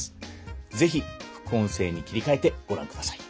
是非副音声に切り替えてご覧ください。